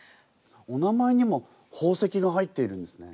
お名前にも宝石が入っているんですね。